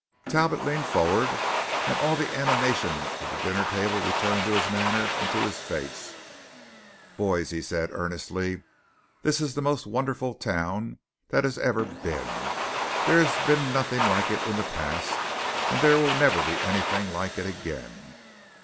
Talbot leaned forward, and all the animation of the dinner table returned to his manner and to his face. "Boys," said he earnestly, "this is the most wonderful town that has ever been! There has been nothing like it in the past; and there will never be anything like it again.